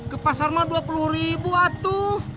ke pasar ma dua puluh ribu atuh